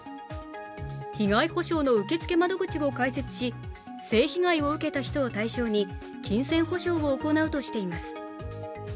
被害補償の受付窓口を開設し、性被害を受けた人を対象に金銭補償を行うとしています。